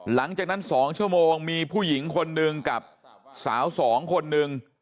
หลังจากนั้น๒ชั่วโมงมีผู้หญิงคนหนึ่งกับสาวสองคนนึง